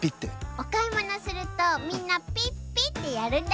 おかいものするとみんなピッピッてやるんだよ。